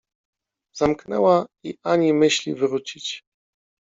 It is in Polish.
Zamknęła i ani myśli wrócić.